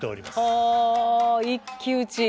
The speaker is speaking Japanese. は一騎打ち。